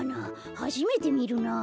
はじめてみるなあ。